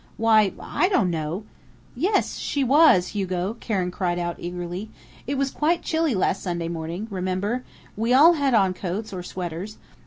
"Why, I don't know " "Yes, she was, Hugo!" Karen cried out eagerly. "It was quite chilly last Sunday morning. Remember? We all had on coats or sweaters.